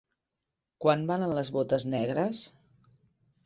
Quant valen les botes negres?